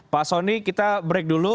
pak soni kita break dulu